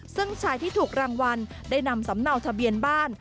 ซึ่งชายที่ถูกรางวัลได้นำสำเนาทะเบียนบ้าน